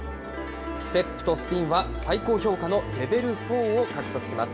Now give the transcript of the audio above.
ステップとスピンは最高評価のレベルフォーを獲得します。